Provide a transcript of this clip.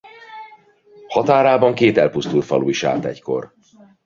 Határában két elpusztult falu is állt egykor.